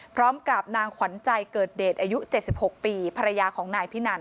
พร้อมกับนางขวัญใจเกิดเดชอายุ๗๖ปีภรรยาของนายพินัน